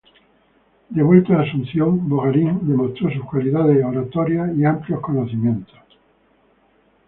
De vuelta a Asunción, Bogarín demostró sus cualidades oratorias y amplios conocimientos.